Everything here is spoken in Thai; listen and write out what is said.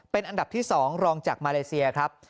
เป็นอันดับที่๒รองจากมาเลเซียครับ